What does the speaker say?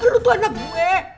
lo tuh anak gue